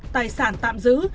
tài sản tạm giữ